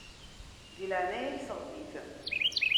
Di leɛnaya-k seɣti-t.